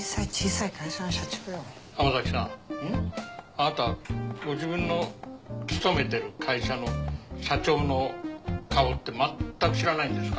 あなたご自分の勤めてる会社の社長の顔ってまったく知らないんですか？